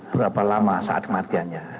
berapa lama saat kematiannya